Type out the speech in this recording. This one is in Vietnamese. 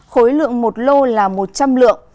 khối lượng một lô là một trăm linh lượng